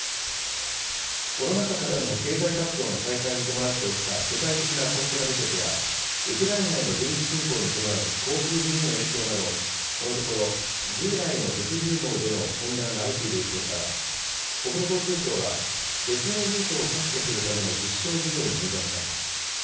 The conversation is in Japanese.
コロナ禍からの経済活動の再開に伴って起きた世界的なコンテナ不足や、ウクライナへの軍事侵攻に伴う航空便への影響など、このところ、従来の物流網での混乱が相次いでいることから、国土交通省は、別のルートを確保するための実証事業に乗り出します。